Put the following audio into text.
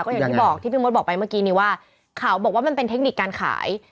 อย่างที่บอกที่พี่มดบอกไปเมื่อกี้นี้ว่าเขาบอกว่ามันเป็นเทคนิคการขาย